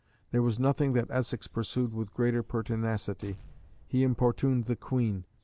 There was nothing that Essex pursued with greater pertinacity. He importuned the Queen.